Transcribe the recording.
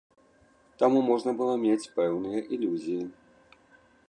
Таму можна было мець пэўныя ілюзіі.